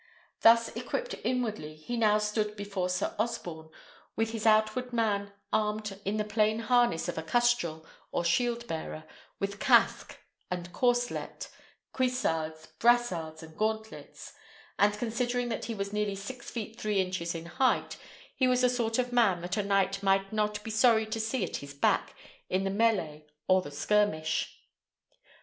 Thus equipped inwardly, he now stood before Sir Osborne, with his outward man armed in the plain harness of a custrel, or shield bearer, with casque and corslet, cuissards, brassards, and gauntlets; and considering that he was nearly six feet three inches in height, he was the sort of man that a knight might not be sorry to see at his back in the mêlée or the skirmish.